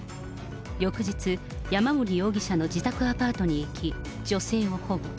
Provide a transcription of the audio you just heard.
翌日、山森容疑者の自宅アパートに行き、女性を保護。